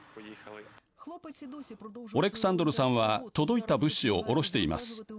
オレクサンドルさんは届いた物資を降ろしています。